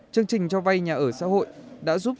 chương trình cho vay nhà ở xã hội đã giúp